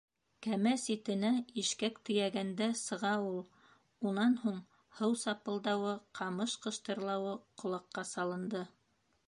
Кәмә ситенә ишкәк тейгәндә сыға ул. Унан һуң һыу сапылдауы, ҡамыш ҡыштырлауы ҡолаҡҡа салынды.